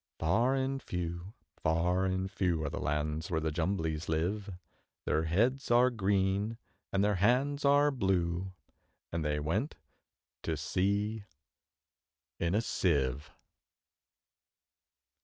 Far and few, far and few, Are the lands where the Jumblies live; Their heads are green, and their hands are blue, And they went to sea in a Sieve.